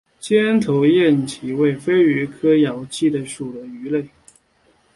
尖头燕鳐为飞鱼科燕鳐属的鱼类。